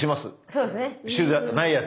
そうですね。